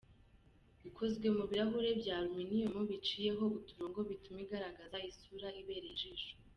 Ikozwe mu birahuri by’ aluminiyumu biciyeho uturongo bituma igaragaza isura ibereye ijisho.